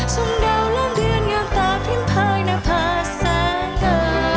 ส่งเดาล้างเดือนอย่างตาพิมพายในภาษา